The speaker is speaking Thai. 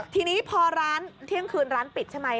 ทีนี้พอร้านเที่ยงคืนร้านปิดใช่ไหม